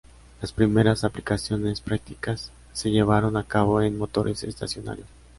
Las primeras aplicaciones prácticas se llevaron a cabo en motores estacionarios.